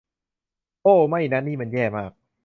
โอ้ ไม่นะ นี่มันแย่มาก